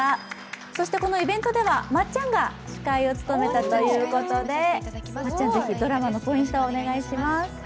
そしてこのイベントではまっちゃんが司会を務めたということでぜひドラマのポイント、お願いします。